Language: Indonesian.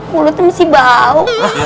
mulutnya masih bau